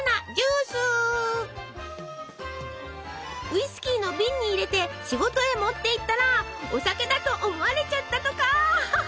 ウイスキーの瓶に入れて仕事へ持っていったらお酒だと思われちゃったとか！